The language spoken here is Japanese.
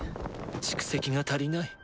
蓄積が足りない。